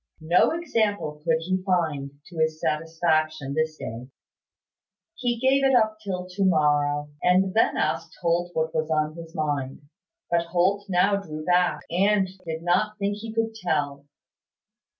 No example could he find, to his satisfaction, this day. He gave it up till to morrow, and then asked Holt what was on his mind. But Holt now drew back, and did not think he could tell.